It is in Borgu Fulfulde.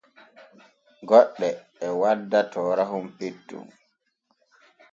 Goɗɗe e wadda toorahon petton.